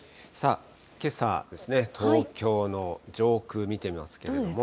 けさですね、東京の上空見てみますけれども。